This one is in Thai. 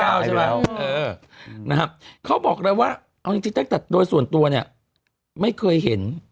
นะครับเขาบอกแล้วว่าด้วยส่วนตัวเนี่ยไม่เคยเห็น